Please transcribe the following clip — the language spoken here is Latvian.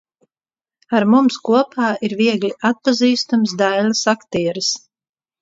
Ar mums kopā ir viegli atpazīstams Dailes aktieris.